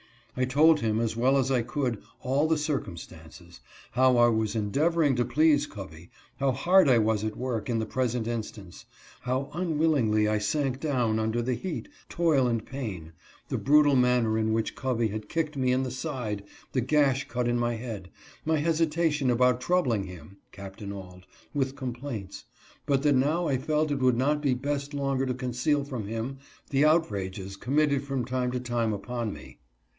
I told him as well as I could, all the circumstances ; how I was endeavoring to please Covey ; how hard I was at work in the present instance ; how unwillingly I sank down under the heat, toil, and pain ; the brutal manner in which Covey had kicked me in the side, the gash cut in my head; my hesi HIS CHRISTIAN MASTER. 161 tation about troubling him (Capt. Auld) with complaints ; but that now I felt it would not be best longer to conceal from him the outrages committed from time to time upon me.